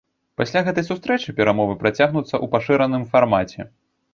Пасля гэтай сустрэчы перамовы працягнуцца ў пашыраным фармаце.